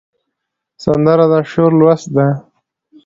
سندره د شعور لوست ده